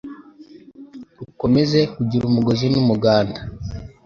rukomeze kugira umugozi n’umuganda